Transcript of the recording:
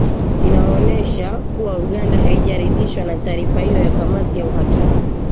inaonyesha kuwa Uganda haijaridhishwa na taarifa hiyo ya kamati ya uhakiki